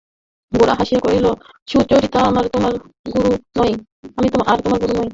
গোরা হাসিয়া কহিল, সুচরিতা, আমি আর তোমার গুরু নই।